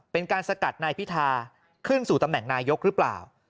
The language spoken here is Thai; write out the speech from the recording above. เป็นการสกัดนายพิธาขึ้นสู่ตำแหน่งนายกหรือเปล่า